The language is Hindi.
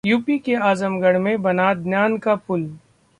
यूपी के आजमगढ़ में बना ‘ज्ञान का पुल’